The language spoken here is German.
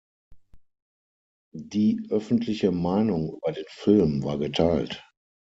Die öffentliche Meinung über den Film war geteilt.